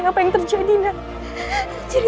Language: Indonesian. jangan lagi membuat onar di sini